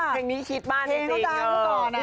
เผงนี้ชีดบ้านจริง